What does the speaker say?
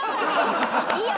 いいよ！